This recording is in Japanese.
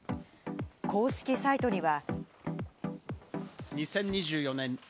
公式サイトには。